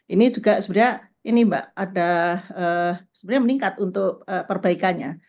ini juga sebenarnya ini mbak ada sebenarnya meningkat untuk perbaikannya